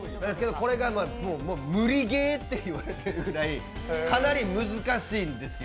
無理ゲーって言われてるぐらいかなり難しいんですよ。